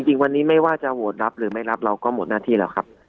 จริงวันนี้ไม่ว่าจะโหวตรับหรือไม่รับเราก็หมดหน้าที่แล้วครับ